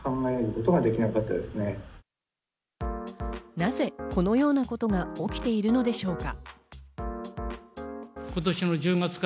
なぜ、このようなことが起きているのでしょうか？